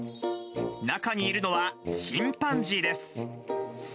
中にいるのはチンパンジーです。